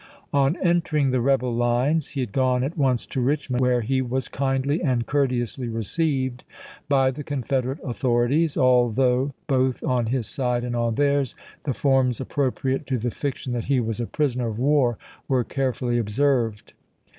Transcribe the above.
On entering the rebel lines he had gone at once to Eichmond, where he was kindly and courteously received by the Confederate author ities, although both on his side and on theirs the forms appropriate to the fiction that he was a pris oner of war were carefully observed.